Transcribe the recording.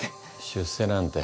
出世なんて。